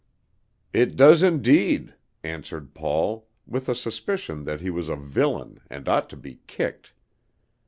"It does indeed!" answered Paul, with a suspicion that he was a villain and ought to be kicked.